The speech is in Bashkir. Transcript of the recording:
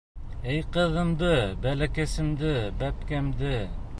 — Эй ҡыҙымды, бәләкәсемде, бәпкәмде...